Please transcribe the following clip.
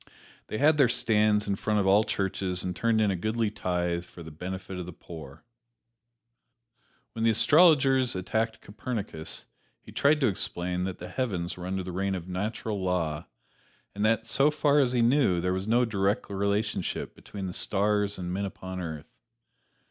They had their stands in front of all churches and turned in a goodly tithe "for the benefit of the poor." When the astrologers attacked Copernicus he tried to explain that the heavens were under the reign of natural law, and that so far as he knew there was no direct relationship between the stars and the men upon earth.